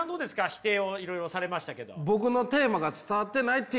否定をいろいろされましたけど。